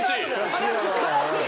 悲しい悲しい！